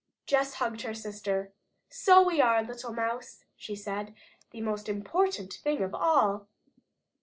Jess hugged her sister. "So we are, little mouse," she said "the most important thing of all."